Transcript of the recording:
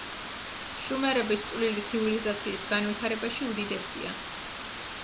შუმერების წვლილი ცივილიზაციის განვითარებაში უდიდესია.